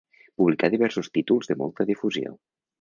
Publicà diversos títols de molta difusió.